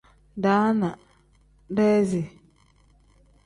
Daana pl: deezi n.